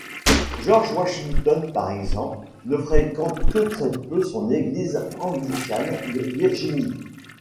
George Washington par exemple, ne fréquente que très peu son église anglicane de Virginie.